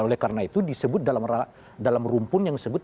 oleh karena itu disebut dalam rumpun yang disebut